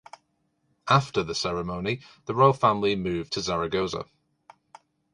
After the ceremony, the royal family moved to Zaragoza.